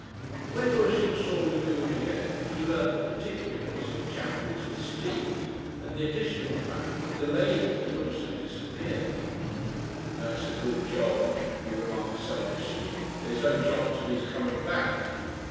When Lewisham saw Lagune again he learnt the particulars of Chaffery's misdeed and the additional fact that the "lady" had also disappeared. "That's a good job," he remarked selfishly. "There's no chance of his coming back."